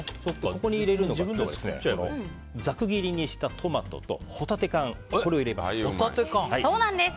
ここに入れるのがざく切りにしたトマトとホタテ缶を入れます。